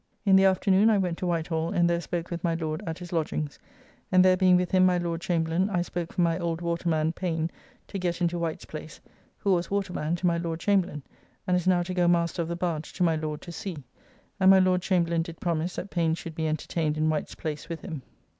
In the afternoon I went to Whitehall and there spoke with my Lord at his lodgings, and there being with him my Lord Chamberlain, I spoke for my old waterman Payne, to get into White's place, who was waterman to my Lord Chamberlain, and is now to go master of the barge to my Lord to sea, and my Lord Chamberlain did promise that Payne should be entertained in White's place with him.